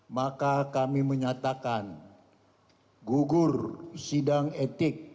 maka kami menyatakan gugur sidang etik